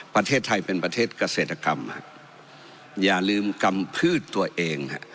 ประเทศไทยเป็นประเทศเกษตรกรรมฮะอย่าลืมกำพืชตัวเองฮะ